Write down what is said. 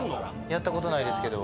やった事ないですけど。